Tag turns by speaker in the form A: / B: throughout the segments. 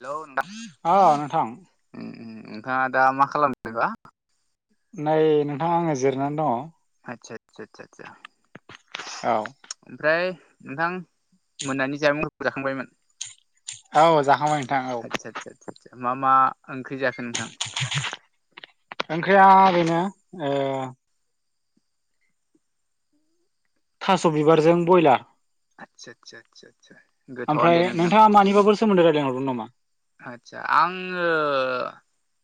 A: Hello नोंथां
B: अ नोंथां
A: उम उम नोंथाङा दा मा खालामदोबा?
B: नै नोंथां आङो जिरनानै दङ
A: आतसा आतसा आतसा आतसा
B: औ
A: ओमफ्राय नोंथां मोनानि जामुंफोरखौ जाखांबायमोन?
B: औ जाखांबाय नोंथां
A: आदसा
B: औ
A: आदसा आदसा मा मा ओंख्रि जाखो नोंथां?
B: ओंख्रिया ओरैनो ओ थास बिबारजों बयलार
A: आतसा आदसा आदसा आदसा गोथावआनो
B: ओमफ्राय
A: दे
B: नोंथाङा मानिबाबो सोमोन्दै रायजलायहरगोन नामा?
A: आतसा आङो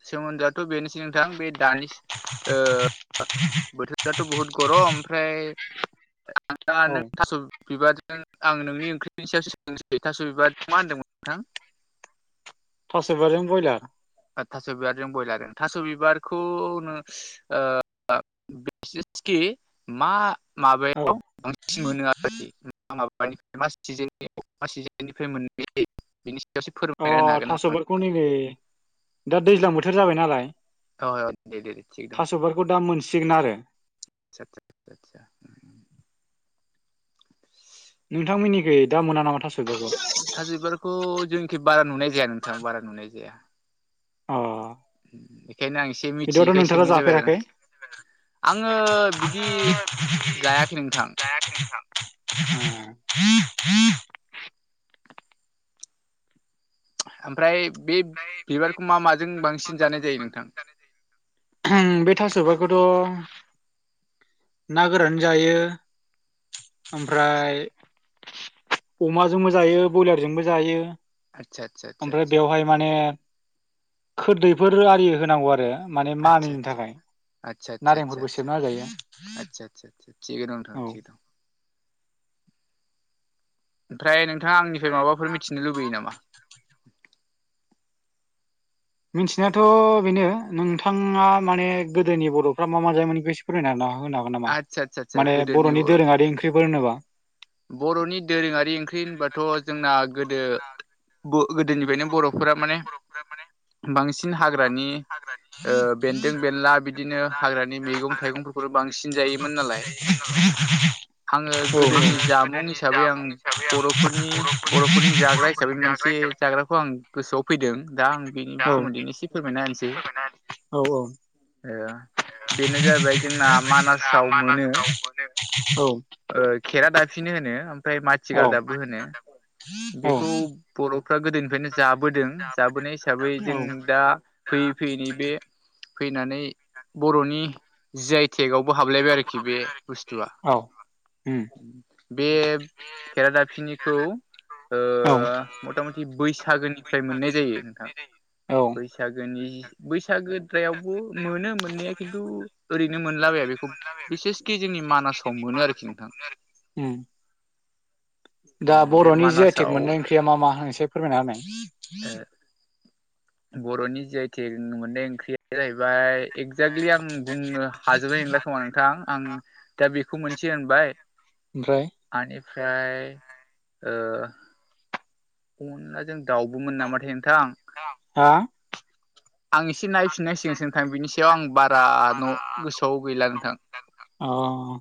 A: सोमोन्दोआथ बेनोसै नोंथां बे दानि ओ दाथ बुहुत गरम ओमफ्राय दा
B: औ
A: नों थास बिबारजों आं नोंनि ओंख्रिनि सायाव सोंसै थास बिबारजों मा होनदोंमोन नोंथां
B: थास बिबार जों ब्रयलार
A: थास बिबारजों बयलार थास बिबारखौ नों ओ [unintelligible] कि मा
B: औ
A: माबायाव बांसिन मोनो आरोखि? ओमफ्राय मा मा सिजननिफ्राय मोननाय जायो [unintelligible] फोरमायना
B: अ
A: होनो हागोन
B: थास'
A: नामा
B: बिबारखौ
A: नोंथां?
B: नैबे दा दैज्लां बोथोर जाबाय नालाय
A: औ दे दे थिग दं
B: सिगोन आरो
A: आसा आसा आसा
B: नोंथांमोननिखै दा मोना नामा थास' बिबारखौ
A: थास' बिबारखौ जोंनिखै बारा नुनाय जाया नोंथां बारा नुनाय जाया
B: अ
A: बेखायनो आं एसे
B: बिदिबाथ'
A: मिथियैखाय
B: नोंथाङा
A: सोंनाय जाबाय आरो
B: जाफेराखै
A: आङो बिदि जायाखै नोंथां
B: [unintelligible]
A: ओमफ्राय बे बिबारखौ मा माजों बांसिन जानाय जायो नोंथां
B: बे थास' बिबारखौथ' ना गोरानजों जायो । ओमफ्राय अमाजोंबो जायो बयलारजोंबो जायो
A: आदसा आदसा
B: ।
A: आदसा
B: ओमफ्राय
A: आदसा
B: बेवहाय माने खोरदैफोर आरि होनांगौ आरो माने
A: आदसा
B: मानैनि थाखाय
A: आदसा आदसा आदसा
B: नारेंफोरबो सेबना होजायो
A: आदसा आदसा थिगैनो दं
B: औ
A: नोंथां ओमफ्राय नोंथ नोंथाङा आंनिफ्राय माबाफोर मिथिनो लुबैयो नामा
B: मिथिनायाथ' बेनो नोंथाङा माने गोदोनि बर'फ्रा मा मा जायोमोन बेखौ एसे फोरमायना होनो हागोन नामा? होनो हागोन नामा
A: आदसा आदसा आदसा
B: माने
A: गोदोनि
B: बर'नि
A: बर'
B: दोरोङारि ओंख्रिफोर होनोबा
A: बर'नि दोरोङारि ओंख्रि होनबाथ' जोंना गोदो गोदोनिफ्रायनो बर'फोरा माने बांसिन हाग्रानि ओ बेन्दों बेनला बिदिनो हाग्रानि मैगं थाइगंफोरखौनो बांसिन जायोमोन नालाय
B: [unintelligible]
A: आङो
B: औ
A: गोदोनि जामुं हिसाबै आं बर'फोरनि बर'फोरनि जाग्रा हिसाबै मोनसे जाग्राखौ आं गोसो गोसोआव फैदों दा आं बेनि
B: औ
A: सोमोन्दैनो एसे फोरमायना होनोसै ।
B: औ औ
A: बेनो जाहैबाय जोंना मानासाव मोनो
B: औ
A: ओ खेरा दाफिनि दाफिनि होनो ओमफ्राय
B: औ
A: माथिगालदाबबो होनो
B: औ
A: बेखौ बर' फ्रा गोदोनिफ्रायनो जाबोदों जाबोनाय हिसाबै
B: औ
A: जों दा फैयै फैयै नैबे फैनानै बर'नि जि आइ टेक केकावबो हाबलायबाय आरोखि बे बुस्थुआ
B: औ उम
A: बे खेरादाफिनिखौ ओ
B: औ
A: मथा मथि बैसागोनिफ्राय मोननाय जायो नोंथां
B: औ
A: । बैसागोनि बैसागोद्रायावबो मोनो मोननाया खिन्थु ओरैनो मोनलाबाया बेखौ बिसेसकि जों जोंनि मानासाव मोनो आरोखि
B: मानासाव
A: नोंथां
B: मोनो आरो दा
A: बे
B: बर'नि जि आइ टेक
A: मानासाव
B: मोननाय ओंख्रिया मा मा एसे फोरमायना
A: ओ
B: होनाय
A: बर'नि जि आइ टेक मोननाय ओंख्रिया जाहैबाय एकजाक्टलि आं बुंनो हाजोबबाय नंला खोमा नोंथां आं दा बेखौ मोनसे होनबाय
B: ओमफ्राय
A: ओमफ्राय ओ अनला जों दाउबोमोन नामाथाय नोंथां
B: हा
A: आं एसे नायफिन नांसिगोनसो नोंथां बेनि सायाव आं बारा न' गोसोआव गैला नोंथां
B: अ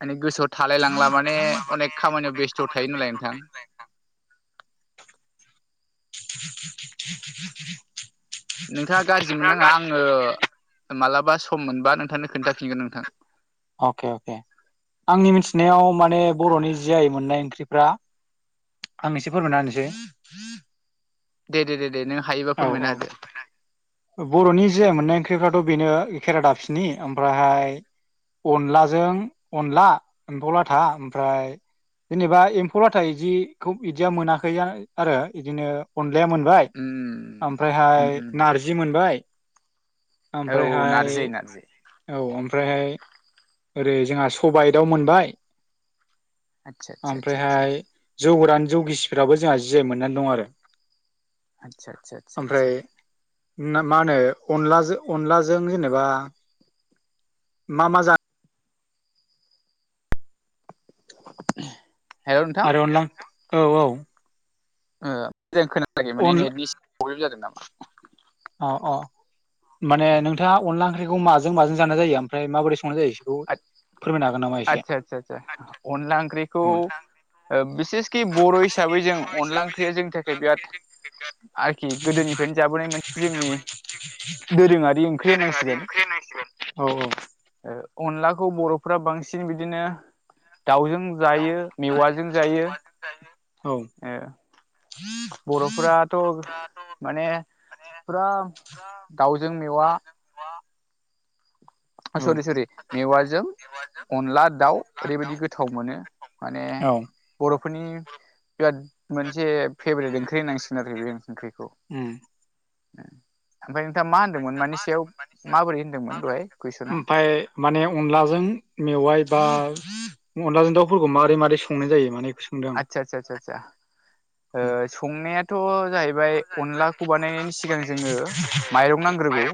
A: माने गोसोआव थालाय लांला माने अनेक खामानियाव बेस्थ' थायो नालाय नोंथां। [inaudible]
B: [unintelligible]
A: नोंथाङा गाज्रि मोननाङा आङो मालाबा सम मोनबा नोंथांनो खोन्थाफिनगोन नोंथां।
B: अके अके आंनि मिथिनायाव माने बर'नि जि आय मोननाय ओंख्रि ब्रा आं एसे फोरमायना होनिसै।
A: दे दे दे दे नों हायोबा फोरमायना होदो।
B: बर'नि जि आइ मोननाय ओंख्रिफ्राथ' बेनो खेरादाबसिनि ओमफ्रायहाय अनलाजों अनला एम्फौ लाथा ओमफ्राय जेनेबा एम्फौब्लाथा इदिखौ इदिया मोनाखै आरो इदिनो अन लाया मोनबाय
A: उम
B: ओमफ्रायहाय
A: उम उम
B: नारजि हाय
A: औ औ
B: औमफ्रायहाय
A: नारजि नारजि
B: औ। ओमफ्रायहाय ओरै जोंहा सबाय दाव मोनबाय।
A: आदसा आदसा आदसा
B: ओमफ्रायहाय जौ गोरान जौ गिसिफोराबो जोंहा जि आइ मोननानै दं आरो।
A: आदसा आदसा आदसा
B: ओमफ्राय
A: आदसा
B: मा होनो अनलाजों अनलाजों जेनेबा मा मा जा
A: [inaudible]
B: आरो अनला औ औ ।
A: ओ मोजां खोनाला माने नेटनिसो प्रब्लेम जादों नामा?
B: अ अ माने नोंथाङा अनला ओंख्रिखौ माजों माजों जानाय जायो ओमफ्राय मबोरै सं
A: आतसा आसा आसा अनला ओंख्रिखौ
B: औ
A: बिसेस खि बर' हिसाबै जों अनला ओंख्रिया जोंनि थाखाय बिराद आरोखि गोदोनिफ्रायनो जाबोनाय मोन जोंनि दोरोङारि ओंख्रि होनांसिगोन।
B: औ
A: अनलाखौ बर'फ्रा बांसिन बिदिनो दाउजों जायो मेवाजों जायो
B: औ
A: ओ बर'फोराथ' माने फुरा दाउजों मेवा सरि सरि मेवाजों अनला दाउ ओरैबायादि गोथाव मोनो। माने
B: औ
A: बर' फोरनि बिराद मोनसे फेभरेट ओंख्रि होननांसिगोन आरो बे ओंख्रिखौ।
B: उम
A: ओमफ्राय नोंथाङा मा होन्दोंमोन मानि सायाव माबोरै होनदोंमोन दहाय? कुइसना
B: ओमफाय माने अनलाजों मेवाइ बा अनलाजों दावउफोरखौ मारै मारै संनाय जायो माने? सोंदों
A: आदसा आसा सा सा
B: आं
A: संनायाथ' जाहैबाय अनलाखौ बानायनायनि सिगां जोङो माइरं नांग्रोगौ।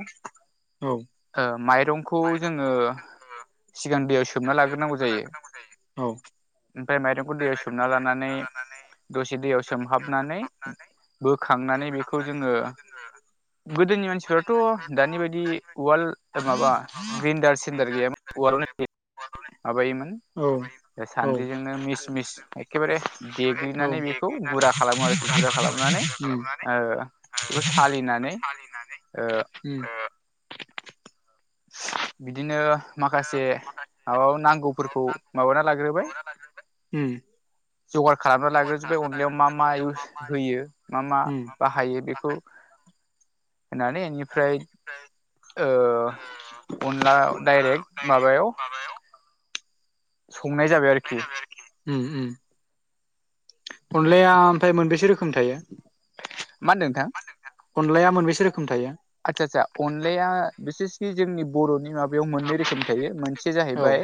B: औ ।
A: माइरंखौ जोङो सिगां दैयाव सो सोमना लाग्रोनांगौ जायो
B: औ
A: ओमफ्राय माइरंखौ दै सो सोमना लानानै दसे दैयाव सोमहाबनानै बोखांनानै बेखौ जोङो गोदोनि मानसिफोराथ' दानि बायदि उवाल माबा ग्रिन्डार सिडार गैयामोन उवाल [unintelligible] माबायोमोन
B: औ औ
A: सानद्रिजोंनो मिस मिस एकेबारे
B: औ
A: देग्लिनानै बेखौ
B: देग्लिनानै
A: गुरा
B: बेखौ
A: खालामो आरोखि गुरा
B: खालामो
A: खालामनानै
B: खालामनानै
A: ओ बेखौ सालिनानै ओ
B: उम
A: बिदिनो माखासे माबा नांगौफोरखौ माबाना लाग्रोबाय।
B: उम
A: जगार खालामना लाग्रोजोबबाय अनलायाव मा मा इउस होयो मा मा
B: उम
A: बाहायो बेखौ [inaudible] होनानै
B: दानि
A: बेनिफ्राय ओ अनला दडाइरेक्ट माबायाव संनाय जाबाय आरखि
B: उम उम । अनलाया ओमफाय मोनबेसे रोखोम थायो?
A: मा होनदों नोंथां
B: अनलाया मोनबेसे रोखोम थायो?
A: आदसा आदसा अनलाया बिसेसकि जोंनि बर'नि माबायाव मोनै रोखोम थायो मोनसे
B: औ
A: जाहैबाय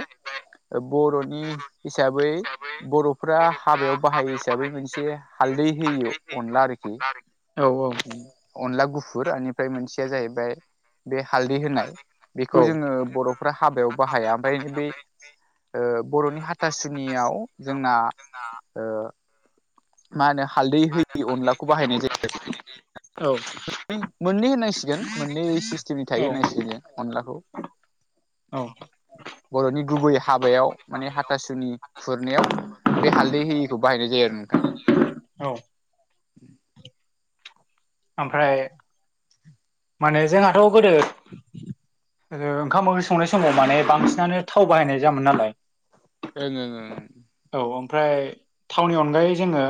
A: ओब बर'नि हिसाबै बर' फ्रा हाबायाव बाहायो हिसाबै मोनसे हालदै होयि अनला आरखि
B: औ
A: अनला गुफुर बेनिफ्राय मोनसेया जाहैबाय बे हालदै होनाय बेखौ जोङो बर'फ्रा हाबायाव बाहाया ओमफाय बे ओ बर'नि हाथासुनियाव जोंना ओ मानो
B: [unintelligible]
A: मोननै मोननै होनांसिगोन मोननै सिस्टेमनि
B: औ
A: थायो होनांसिगोन जों अनलाखौ
B: औ
A: बर'नि गुबै हाबायाव माने हाथासुनि खुरनायाव बे हालदै होयिखौ बाहायनाय जायो आरो नोंथां
B: औ
A: [unintelligible]
B: आमफ्राय माने जोंहाथ' गोदो ओदो ओंखाम ओंख्रि संनाय समाव माने बांसिनानो थाव बाहायनाय जामोन नालाय
A: [unintelligible]
B: औ ओमफ्राय थावनि अनगायै जोङो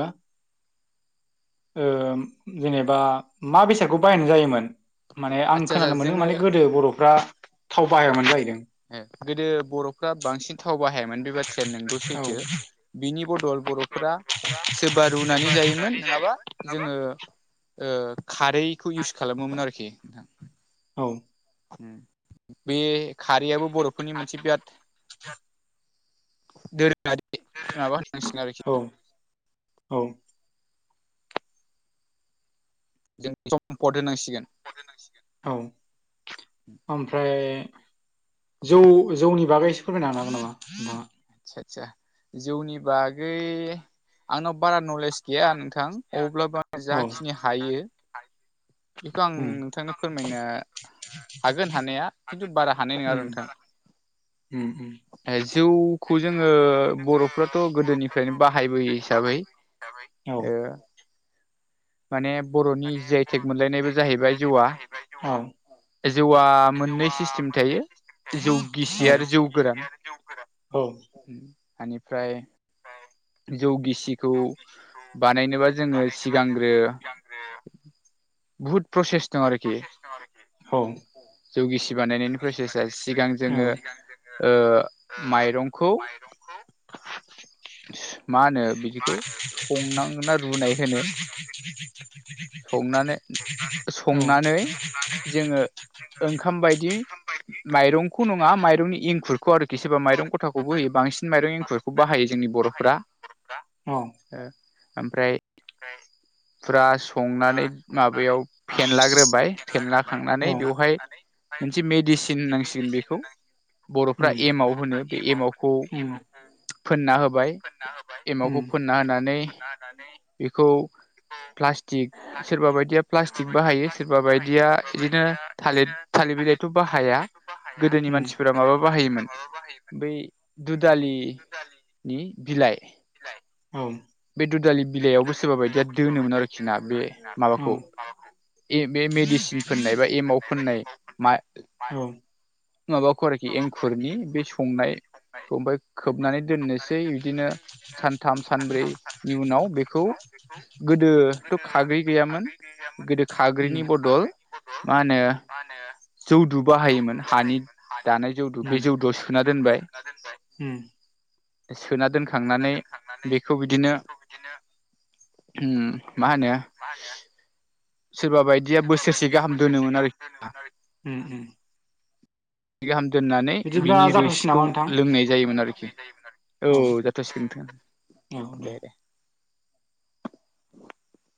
B: ओम जेनेबा मा बेसादखौ बाहायनाय जायोमोन माने आं
A: आदसा आदसा
B: खोनानो मोन्दों
A: जोङो
B: माने गोदो बर'फ्रा थाव बाहायामोन जाहैदों
A: ए गोदो बर'फ्रा बांसिन थाव बाहायामोन बे बाथ्राया नोंगौ
B: औ
A: सैथो बिनि बद दल बर'फोरा सोरबा रुनानै जायोमोन नोङाबा जोङो ओ खारैखौ इउस खालामोमोन आरखि नोंथां
B: औ
A: बे खारैयाबो बर'फोरनि मोनसे बियाद [unintelligible]
B: औ औ
A: जों सम्पद होनांसिगोन
B: औ ओमफ्राय जौ जौनि बागै एसे फोरमायनो हानागोन नामा नोंथाङा
A: सातसा जौनि बागै आंनाव बारा नले गैया नोंथां अब्लाबोा
B: औ उम
A: जाखिनि हायो बेखौ आं नोंथांनो फोरमायनो हागोन हानाया खिन्थु बारा हानाय नङा आर
B: उम
A: नोंथां
B: उम उम
A: जौखौ जोङो बर'फ्राथ' गोदोनिफ्रायनो बाहायबोयो हिसाबै
B: औ
A: ओ माने बर'नि जि आइटेक मोनलायनायबो जाहैबाय जौवा
B: औ
A: जौआ मोननै सिस्टेम थायो जौ गिसि
B: औ
A: आरो जौ गोरान
B: औ
A: बेनिफ्राय जौ गिसिखौ बानायनोबा जोङो सिगां ओ बुहुत प्रसेस दं आरोखि
B: औ
A: जौगिसि बानायनायनि प्रसेसा सिगां जोङो ओ माइरंखौ मा होनो बिदिखौ संनां ना रुनाय होनो संनानै संनानै जोङो
B: [inaudible]
A: ओंखाम बायदि माइरंखौ नङा माइरंनि इंखुरखौ आरोखि [unintelligible] माइरं गथाखौबो होयो बांसिन माइरं एंखुरखौ बाहायो जोंनि बर'फ्रा
B: औ उम
A: । ओ ओमफ्राय
B: [inaudible]
A: फुरा संनानै माबायाव फेनलाग्रोबाय फेनलाखांनानै
B: उम
A: बेवहाय मोनसे मेडिसिन होननांसिगोन बेखौ । बर'फ्रा
B: उम
A: एमाव होनो बे एमवखौ फोनना हो
B: फोनना होबाय एमावखौ फोनना होनानै
A: [inaudible] प्लास्टिक सोरबा बायदिया प्लास्टिक बाहायो सोरबा बायदिया बिदिनो थालिर-थालिर बिला बाहाया गोदोनि
B: उम
A: मानसिफोरा माबा बाहायोमोन बै दुदालि नि बिलाइ
B: औ
A: बे दुदालि बिलाइयावबो सोरबा बायदिया दोनोमोन आरोखि ना बे
B: उम
A: माबाखौ ए बे मेडिसिन फोननाय बा एमाव फोननाय मा
B: उम
A: माबाखौ आरोखि एंखुरनि बे संनायखौ ओमफ्राय खोबनानै दोननोसै बिदिनो
B: बिदिनो सानथाम
A: सानब्रैनि
B: सानब्रै
A: उनाव बेखौ
B: [unintelligible] खौ गोदो
A: गोदोथ'
B: थ'
A: खाग्रि
B: खारदै गैयामोन
A: गोदो
B: उम
A: खाग्रिनि
B: गोदो
A: बदल
B: खारदैनि बदल मा होनो?
A: जौदु बाहायोमोन हानि दानाय जौदु बे
B: उम
A: जौदुआव सोना दोनबाय।
B: उम
A: सोना दोनखांनानै बेखौ बिदिनो उम मा होनो? सोरबा बायदिया बोसोरसे गाहाम दोनोमोन आरोखि ना?
B: उम
A: दोननानै
B: बिदिब्ला
A: बिनि
B: जाथ'सै
A: रोसिखौ
B: नामा नोंथां
A: लोंनाय जायोमोन आरोखि । औ जाथ'सिगोन नोंथां
B: औ दे
A: दे-दे ।